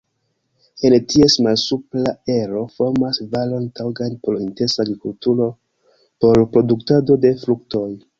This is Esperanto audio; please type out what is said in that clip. En ties malsupra ero formas valon taŭgan por intensa agrikulturo por produktado de fruktoj.